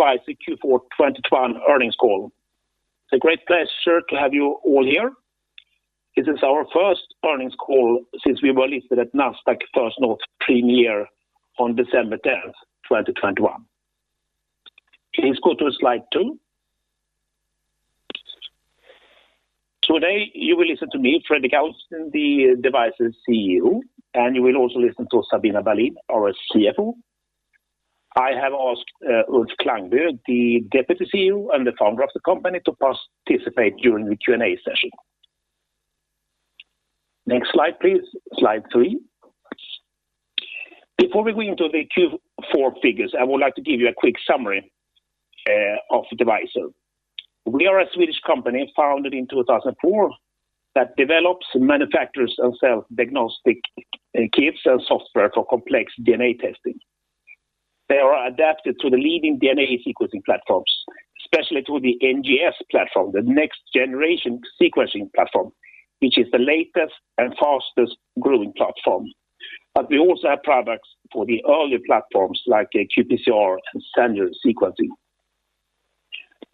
Devyser Q4 2021 earnings call. It's a great pleasure to have you all here. This is our first earnings call since we were listed at Nasdaq First North Premier on December 10th, 2021. Please go to slide two. Today, you will listen to me, Fredrik Alpsten, the Devyser CEO, and you will also listen to Sabina Berlin, our CFO. I have asked Ulf Klangby, the deputy CEO and the founder of the company, to participate during the Q&A session. Next slide, please. Slide three. Before we go into the Q4 figures, I would like to give you a quick summary of Devyser. We are a Swedish company founded in 2004 that develops, manufactures, and sells diagnostic kits and software for complex DNA testing. They are adapted to the leading DNA sequencing platforms, especially to the NGS platform, the next-generation sequencing platform, which is the latest and fastest-growing platform. We also have products for the early platforms like qPCR and standard sequencing.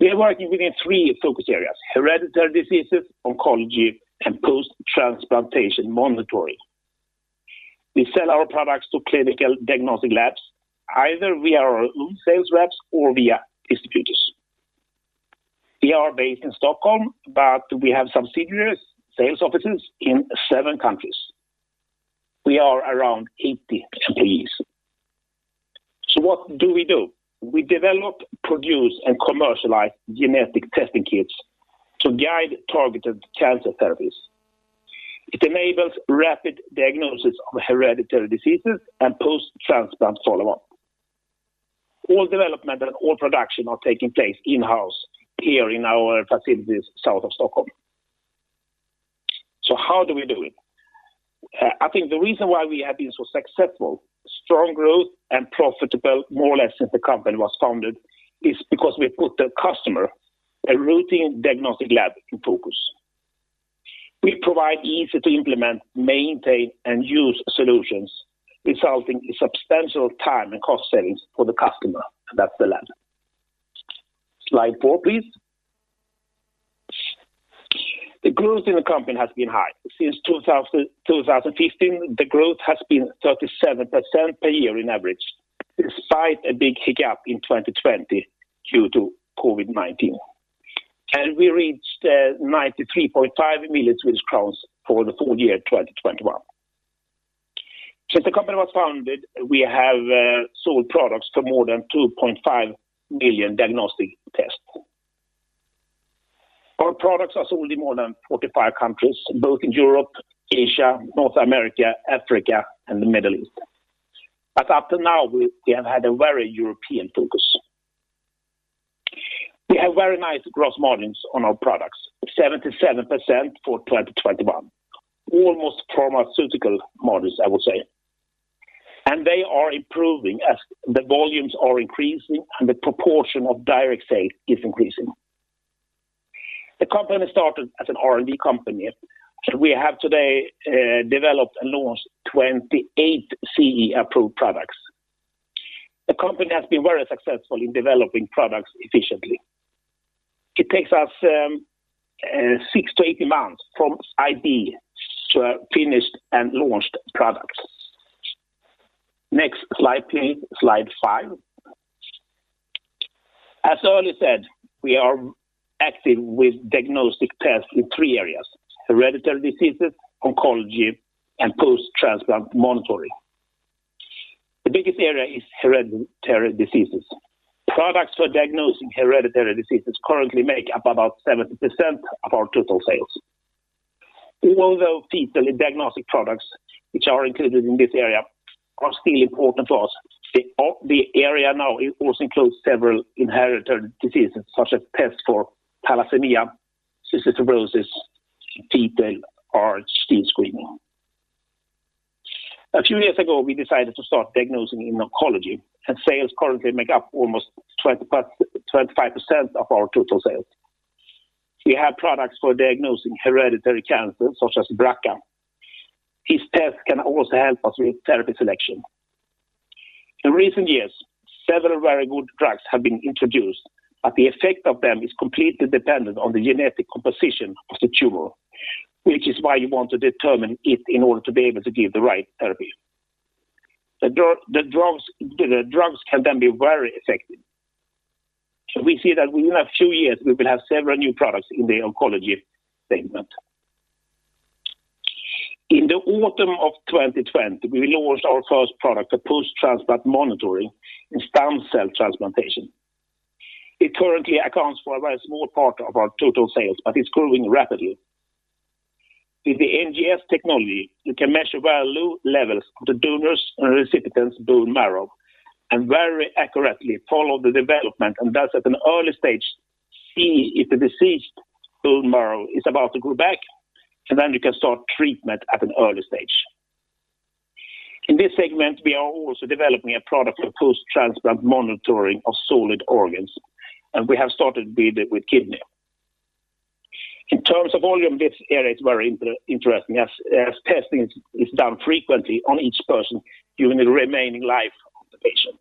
We are working within three focus areas, hereditary diseases, oncology, and post-transplantation monitoring. We sell our products to clinical diagnostic labs, either via our own sales reps or via distributors. We are based in Stockholm, but we have subsidiary sales offices in seven countries. We are around 80 employees. What do we do? We develop, produce, and commercialize genetic testing kits to guide targeted cancer therapies. It enables rapid diagnosis of hereditary diseases and post-transplant follow-up. All development and all production are taking place in-house here in our facilities south of Stockholm. How do we do it? I think the reason why we have been so successful, strong growth, and profitable more or less since the company was founded, is because we put the customer, a routine diagnostic lab in focus. We provide easy-to-implement, maintain, and use solutions, resulting in substantial time and cost savings for the customer. That's the lab. Slide four, please. The growth in the company has been high. Since 2015, the growth has been 37% per year on average, despite a big hiccup in 2020 due to COVID-19. We reached 93.5 million Swedish crowns for the full year 2021. Since the company was founded, we have sold products for more than 2.5 million diagnostic tests. Our products are sold in more than 45 countries, both in Europe, Asia, North America, Africa, and the Middle East. Up to now, we have had a very European focus. We have very nice gross margins on our products, 77% for 2021. Almost pharmaceutical margins, I would say. They are improving as the volumes are increasing and the proportion of direct sales is increasing. The company started as an R&D company, and we have today developed and launched 28 CE-approved products. The company has been very successful in developing products efficiently. It takes us 6-18 months from idea to a finished and launched product. Next slide, please. Slide five. As already said, we are active with diagnostic tests in three areas, hereditary diseases, oncology, and post-transplant monitoring. The biggest area is hereditary diseases. Products for diagnosing hereditary diseases currently make up about 70% of our total sales. Even though fetal diagnostic products, which are included in this area, are still important for us. The area now also includes several hereditary diseases such as tests for thalassemia, cystic fibrosis, fetal RhD screening. A few years ago, we decided to start diagnosing in oncology, and sales currently make up almost 25% of our total sales. We have products for diagnosing hereditary cancer, such as BRCA. These tests can also help us with therapy selection. In recent years, several very good drugs have been introduced, but the effect of them is completely dependent on the genetic composition of the tumor, which is why you want to determine it in order to be able to give the right therapy. The drugs can then be very effective. We see that within a few years, we will have several new products in the oncology segment. In the autumn of 2020, we launched our first product for post-transplant monitoring in stem cell transplantation. It currently accounts for a very small part of our total sales, but it's growing rapidly. With the NGS technology, we can measure very low levels of the donor's and recipient's bone marrow and very accurately follow the development, and thus at an early stage, see if the diseased bone marrow is about to grow back, and then we can start treatment at an early stage. In this segment, we are also developing a product for post-transplant monitoring of solid organs, and we have started with kidney. In terms of volume, this area is very interesting as testing is done frequently on each person during the remaining life of the patient.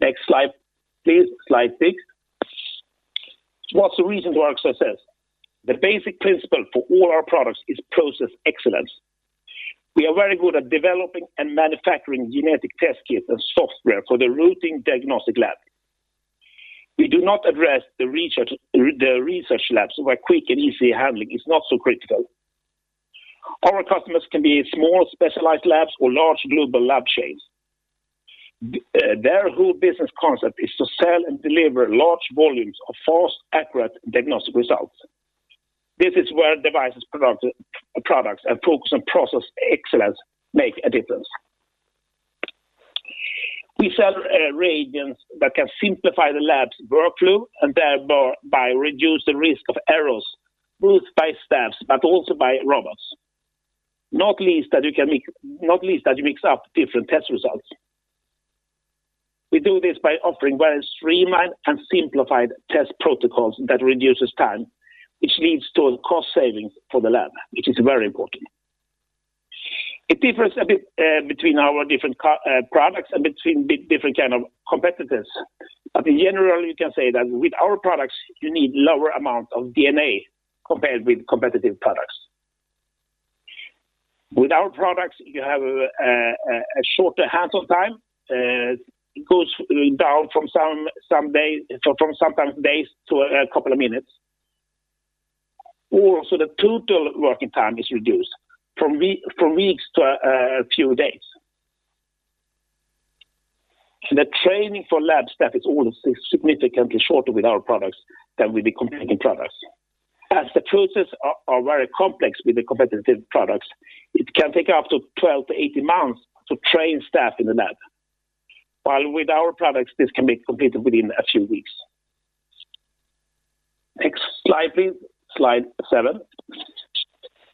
Next slide, please. Slide six. What's the reason for our success? The basic principle for all our products is process excellence. We are very good at developing and manufacturing genetic test kits and software for the routine diagnostic lab. We do not address the research labs where quick and easy handling is not so critical. Our customers can be small specialized labs or large global lab chains. Their whole business concept is to sell and deliver large volumes of fast, accurate diagnostic results. This is where Devyser's products and focus on process excellence make a difference. We sell reagents that can simplify the lab's workflow and thereby reduce the risk of errors, both by staff but also by robots. Not least that you mix up different test results. We do this by offering well-streamlined and simplified test protocols that reduce time, which leads to cost savings for the lab, which is very important. It differs a bit between our different products and between different kinds of competitors. In general, you can say that with our products, you need lower amount of DNA compared with competitive products. With our products, you have a shorter hands-on time. It goes down from sometimes days to a couple of minutes. The total working time is reduced from weeks to a few days. The training for lab staff is also significantly shorter with our products than with the competing products. As the processes are very complex with the competitive products, it can take up to 12-18 months to train staff in the lab. With our products, this can be completed within a few weeks. Next slide, please. Slide seven.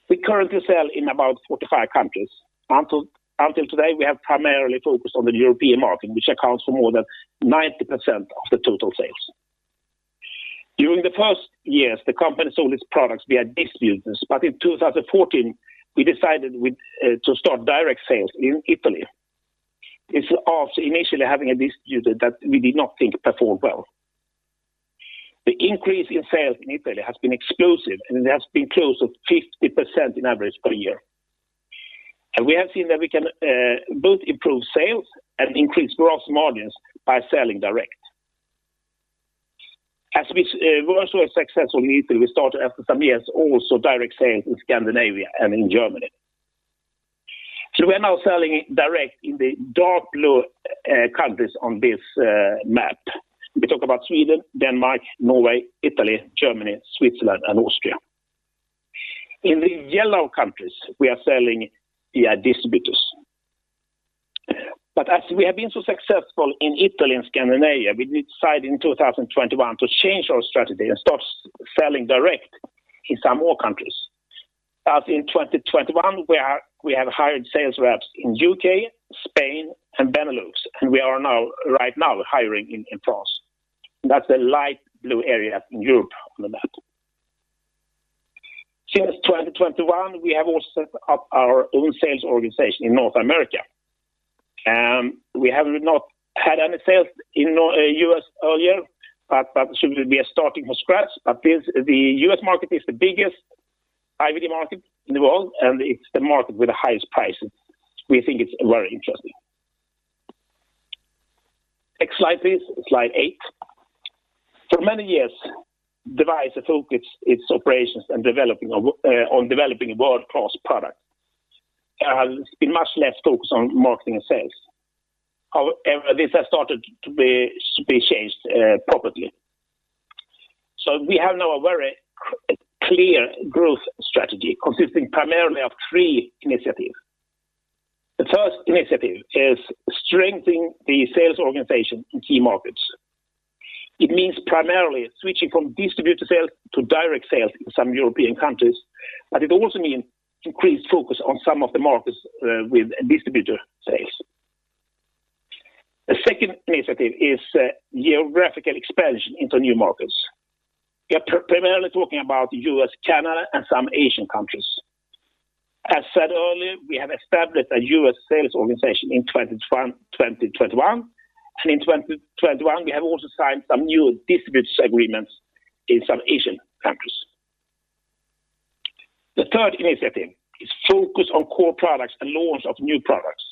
We currently sell in about 45 countries. Until today, we have primarily focused on the European market, which accounts for more than 90% of the total sales. During the first years, the company sold its products via distributors, but in 2014, we decided to start direct sales in Italy after initially having a distributor that we did not think performed well. The increase in sales in Italy has been explosive, and it has been close to 50% on average per year. We have seen that we can both improve sales and increase gross margins by selling direct. As we were so successful in Italy, we started after some years also direct sales in Scandinavia and in Germany. We're now selling direct in the dark blue countries on this map. We talk about Sweden, Denmark, Norway, Italy, Germany, Switzerland, and Austria. In the yellow countries, we are selling via distributors. As we have been so successful in Italy and Scandinavia, we decided in 2021 to change our strategy and start selling direct in some more countries. As in 2021, we have hired sales reps in U.K., Spain, and Benelux, and we are right now hiring in France. That's the light blue area in Europe on the map. Since 2021, we have also set up our own sales organization in North America. We have not had any sales in U.S. earlier. The U.S. market is the biggest IVD market in the world, and it's the market with the highest prices. We think it's very interesting. Next slide, please. Slide eight. For many years, Devyser focused its operations on developing world-class products. There has been much less focus on marketing and sales. This has started to be changed properly. We have now a very clear growth strategy consisting primarily of three initiatives. The first initiative is strengthening the sales organization in key markets. It means primarily switching from distributor sales to direct sales in some European countries. It also means increased focus on some of the markets with distributor sales. The second initiative is geographical expansion into new markets. We are primarily talking about U.S., Canada, and some Asian countries. As said earlier, we have established a U.S. sales organization in 2021, and in 2021, we have also signed some new distributor agreements in some Asian countries. The third initiative is focus on core products and launch of new products.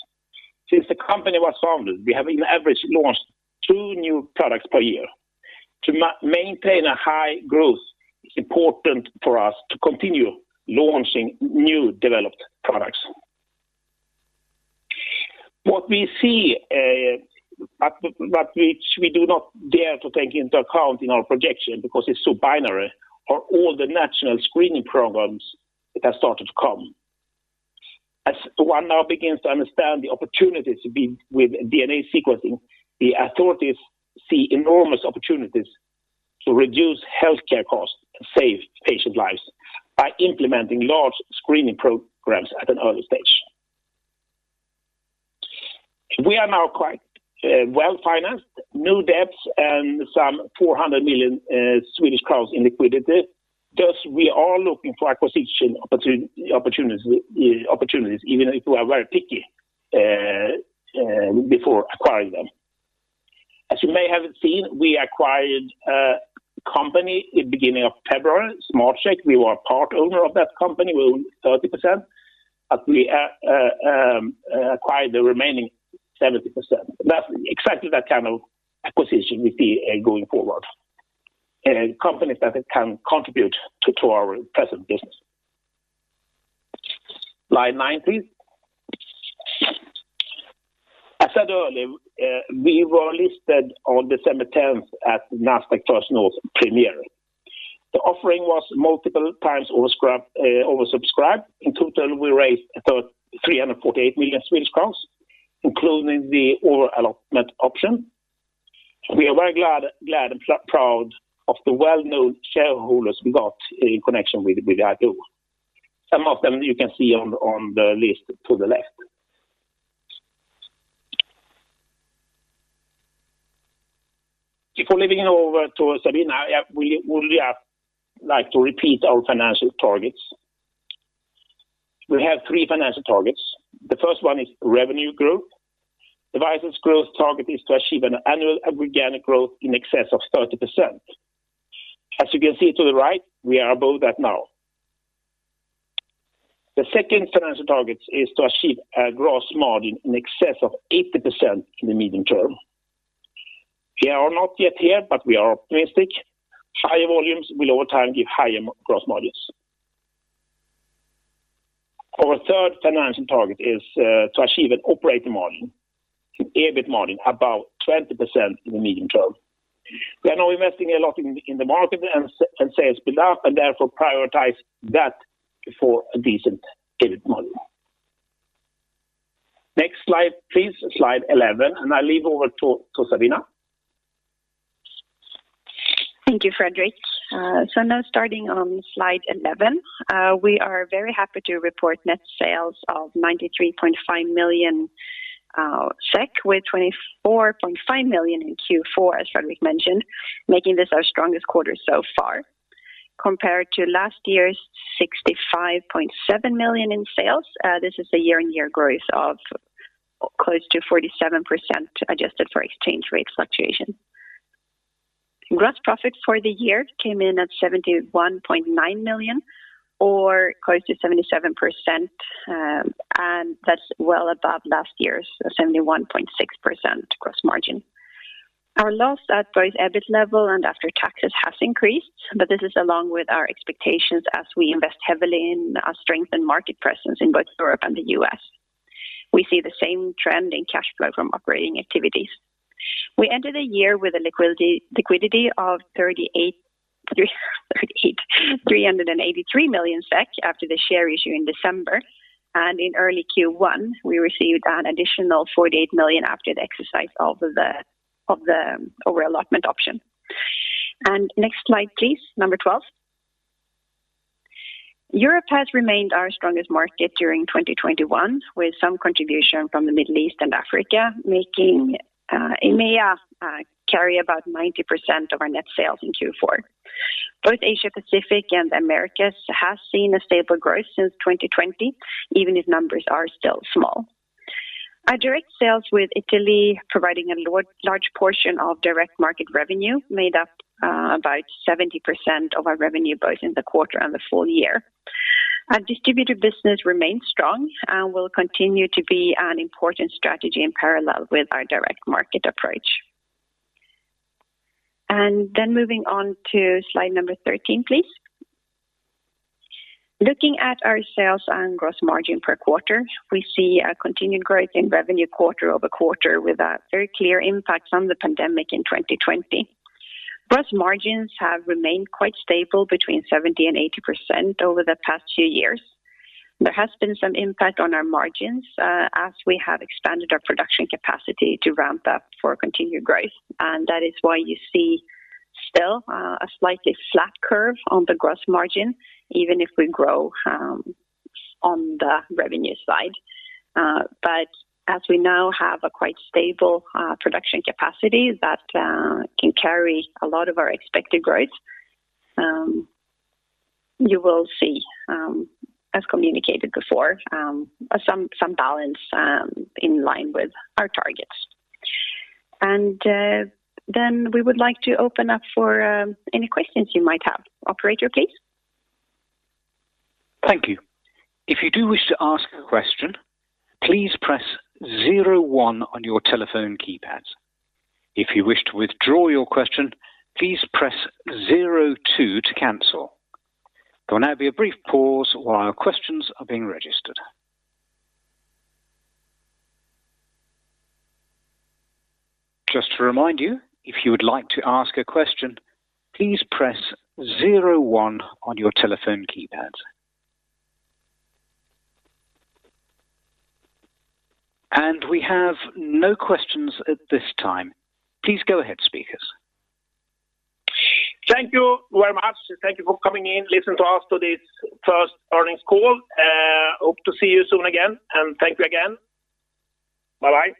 Since the company was founded, we have on average launched two new products per year. To maintain a high growth, it's important for us to continue launching new developed products. What we see, but which we do not dare to take into account in our projection because it's so binary, are all the national screening programs that have started to come. As one now begins to understand the opportunities with DNA sequencing, the authorities see enormous opportunities to reduce healthcare costs and save patient lives by implementing large screening programs at an early stage. We are now quite well-financed. No debts and some 400 million Swedish crowns in liquidity. We are looking for acquisition opportunities even if we are very picky before acquiring them. As you may have seen, we acquired a company at the beginning of February, SmartSeq. We were a part owner of that company with 30%, but we acquired the remaining 70%. That's exactly that kind of acquisition we see going forward. Companies that can contribute to our present business. Slide nine, please. As said earlier, we were listed on December 10th at Nasdaq First North Premier. The offering was multiple times oversubscribed. In total, we raised 348 million Swedish crowns, including the overallotment option. We are very glad and proud of the well-known shareholders we got in connection with our deal. Some of them you can see on the list to the left. Before leaving it over to Sabina, I would like to repeat our financial targets. We have three financial targets. The first one is revenue growth. Devyser's growth target is to achieve an annual organic growth in excess of 30%. As you can see to the right, we are above that now. The second financial target is to achieve a gross margin in excess of 80% in the medium term. We are not yet here, but we are optimistic. Higher volumes will over time give higher gross margins. Our third financial target is to achieve an operating margin, an EBIT margin, above 20% in the medium term. We are now investing a lot in the market and sales buildup, and therefore prioritize that for a decent EBIT margin. Next slide, please. Slide 11, and I leave over to Sabina. Thank you, Fredrik. Now starting on slide 11. We are very happy to report net sales of 93.5 million SEK, with 24.5 million in Q4, as Fredrik mentioned, making this our strongest quarter so far. Compared to last year's 65.7 million in sales, this is a year-on-year growth of close to 47%, adjusted for exchange rate fluctuation. Gross profit for the year came in at 71.9 million or close to 77%, and that's well above last year's 71.6% gross margin. Our loss at both EBIT level and after taxes has increased, but this is along with our expectations as we invest heavily in our strength and market presence in both Europe and the U.S. We see the same trend in cash flow from operating activities. We ended the year with a liquidity of 383 million SEK after the share issue in December. In early Q1, we received an additional 48 million after the exercise of the overallotment option. Next slide, please, number 12. Europe has remained our strongest market during 2021, with some contribution from the Middle East and Africa, making EMEA carry about 90% of our net sales in Q4. Both Asia-Pacific and the Americas have seen a stable growth since 2020, even if numbers are still small. Our direct sales with Italy providing a large portion of direct market revenue made up about 70% of our revenue both in the quarter and the full year. Our distributor business remains strong and will continue to be an important strategy in parallel with our direct market approach. Moving on to slide number 13, please. Looking at our sales and gross margin per quarter, we see a continued growth in revenue quarter-over-quarter with a very clear impact from the pandemic in 2020. Gross margins have remained quite stable between 70% and 80% over the past few years. There has been some impact on our margins as we have expanded our production capacity to ramp up for continued growth. That is why you see still a slightly flat curve on the gross margin, even if we grow on the revenue side. As we now have a quite stable production capacity that can carry a lot of our expected growth, you will see, as communicated before, some balance in line with our targets. We would like to open up for any questions you might have. Operator, please. Thank you. If you do wish to ask a question, please press zero one on your telephone keypads. If you wish to withdraw your question, please press zero two to cancel. There will now be a brief pause while questions are being registered. Just to remind you, if you would like to ask a question, please press zero one on your telephone keypad. We have no questions at this time. Please go ahead, speakers. Thank you very much. Thank you for coming in, listen to us to this first earnings call. Hope to see you soon again, and thank you again. Bye-bye.